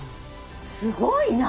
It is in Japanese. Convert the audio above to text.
すごいな！